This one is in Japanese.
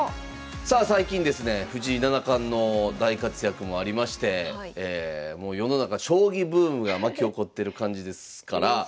さあ最近ですね藤井七冠の大活躍もありまして世の中将棋ブームが巻き起こってる感じですから。